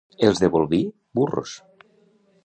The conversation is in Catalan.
Els de Bolvir, burros.